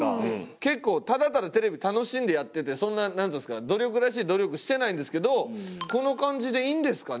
結構ただただテレビ楽しんでやっててそんななんていうんですか努力らしい努力してないんですけど「この感じでいいんですかね？